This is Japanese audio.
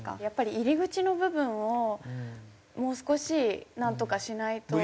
やっぱり入り口の部分をもう少しなんとかしないと。